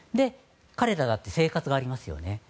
彼らだって生活がありますよね。